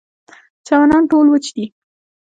چمنان ټول وچ دي.